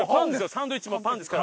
サンドイッチもパンですから。